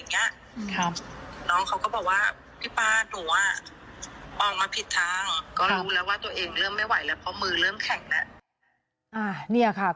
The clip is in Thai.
น้องเขาก็บอกว่าพี่ปลาหนัวออกมาผิดทาง